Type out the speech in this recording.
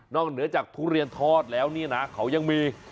เหนือจากทุเรียนทอดแล้วเนี่ยนะเขายังมี